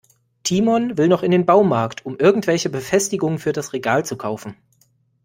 Timon will noch in den Baumarkt, um irgendwelche Befestigungen für das Regal zu kaufen.